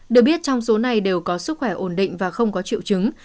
được biết trong số này đều có sức khỏe ổn định và không có triệu chứng